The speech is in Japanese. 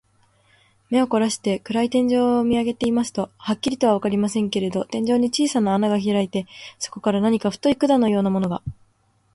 目をこらして、暗い天井を見あげていますと、はっきりとはわかりませんけれど、天井に小さな穴がひらいて、そこから何か太い管のようなものが、